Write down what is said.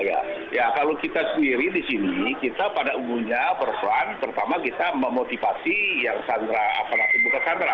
ya kalau kita sendiri di sini kita pada umumnya berperan pertama kita memotivasi yang sandra apalagi bukan sandera